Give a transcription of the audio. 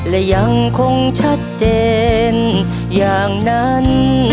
และยังคงชัดเจนอย่างนั้น